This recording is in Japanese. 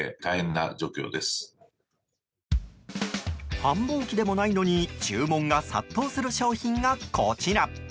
繁忙期でもないのに注文が殺到する商品が、こちら。